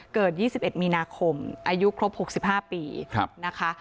เกิดยี่สิบเอ็ดมีนาคมอายุครบหกสิบห้าปีนะคะ